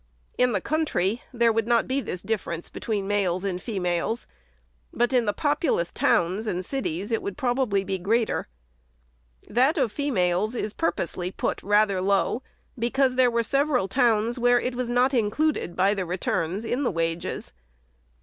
In the country, there would not be this difference between males and females, but in the populous towns arid cities it would probably be greater. That of females is purposely put rather low, because there were several towns where it was not included, by the re turns, in the wages.